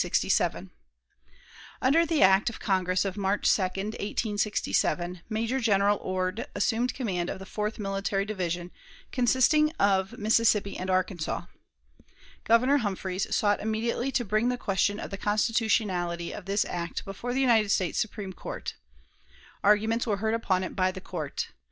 Under the act of Congress of March 2, 1867, Major General Ord assumed command of the Fourth Military Division, consisting of Mississippi and Arkansas. Governor Humphreys sought immediately to bring the question of the constitutionality of this act before the United States Supreme Court. Arguments were heard upon it by the Court.